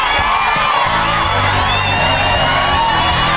รับทราบ